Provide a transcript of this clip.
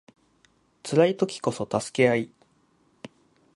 辛い時こそ助け合い